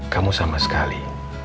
kamu sama sekali